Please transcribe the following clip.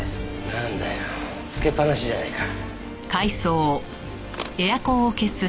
なんだよつけっぱなしじゃないか。